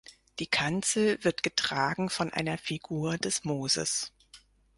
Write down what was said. Die Kanzel wird getragen von einer Figur des Moses.